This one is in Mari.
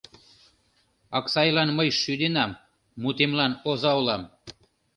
Аксайлан мый шӱденам Мутемлан оза улам...